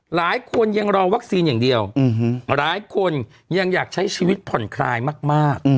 หลายคนยังรอวัคซีนอย่างเดียวหลายคนยังอยากใช้ชีวิตผ่อนคลายมาก